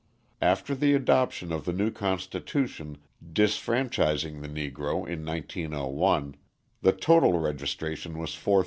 After the adoption of the new constitution disfranchising the Negro in 1901, the total registration was 4,008.